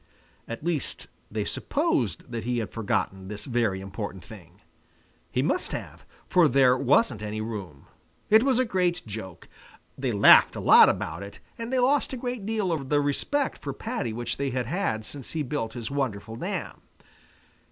At least they supposed that he had forgotten this very important thing. He must have, for there wasn't any room. It was a great joke. They laughed a lot about it, and they lost a great deal of the respect for Paddy which they had had since he built his wonderful dam.